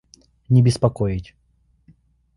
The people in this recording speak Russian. Не беспокоить!